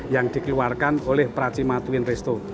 yang dikeluarkan oleh pracima twin resto